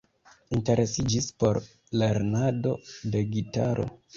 Interesiĝis por lernado de gitaro.